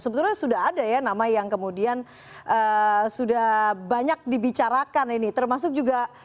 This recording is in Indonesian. sebetulnya sudah ada ya nama yang kemudian sudah banyak dibicarakan ini termasuk juga